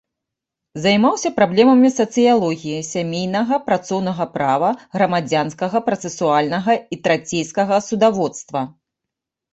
Займаўся праблемамі сацыялогіі, сямейнага, працоўнага права, грамадзянскага працэсуальнага і трацейскага судаводства.